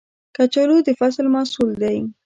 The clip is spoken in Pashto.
کچالو د فصل محصول دی